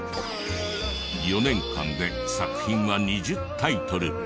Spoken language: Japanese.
４年間で作品は２０タイトル。